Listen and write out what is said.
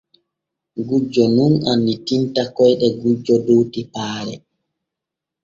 Gujjo nun annitinta koyɗe gujjo dow tepaare.